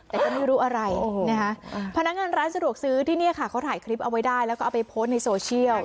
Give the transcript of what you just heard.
แต่ก็ไม่รู้อะไรนะคะพนักงานร้านสะดวกซื้อที่นี่ค่ะเขาถ่ายคลิปเอาไว้ได้แล้วก็เอาไปโพสต์ในโซเชียล